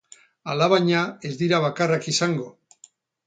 Alabaina, ez dira bakarrak izango.